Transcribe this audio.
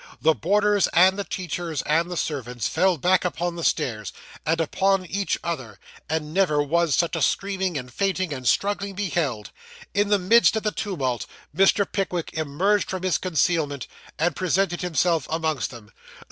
The boarders, and the teachers, and the servants, fell back upon the stairs, and upon each other; and never was such a screaming, and fainting, and struggling beheld. In the midst of the tumult, Mr. Pickwick emerged from his concealment, and presented himself amongst them.